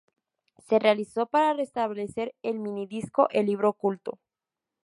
Se realizó para presentar el mini disco El libro oculto.